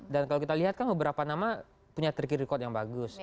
dan kalau kita lihat kan beberapa nama punya tricky record yang bagus